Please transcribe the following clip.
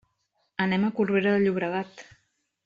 Anem a Corbera de Llobregat.